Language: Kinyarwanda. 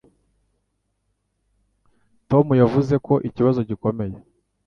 Tom yavuze ko ikibazo gikomeye.